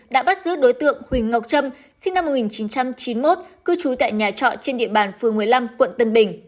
đã bắt giữ đối tượng huỳnh ngọc trâm sinh năm một nghìn chín trăm chín mươi một cư trú tại nhà trọ trên địa bàn phường một mươi năm quận tân bình